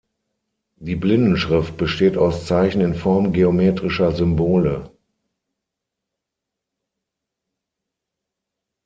Die Blindenschrift besteht aus Zeichen in Form geometrischer Symbole.